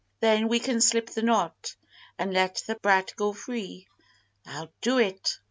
Then we can slip the knot, and let the brat go free." "I'll do it!"